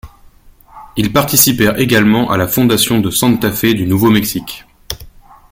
Ils participèrent également à la fondation de Santa Fe du nouveau-Mexique.